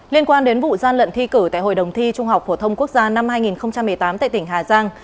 liên quan đến vụ gian lận thi cử tại hội đồng thi trung học phổ thông quốc gia năm hai nghìn một mươi tám tại tỉnh hà giang